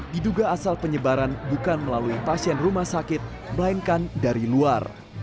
diduga asal penyebaran bukan melalui pasien rumah sakit melainkan dari luar